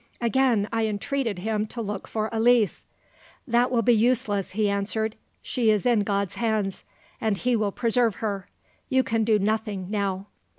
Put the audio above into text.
"Again I entreated him to look for Elise. "`That will be useless,' he answered: `she is in God's hands, and He will preserve her! You can do nothing now.'